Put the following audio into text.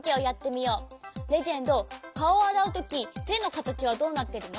レジェンドかおをあらうときてのかたちはどうなってるの？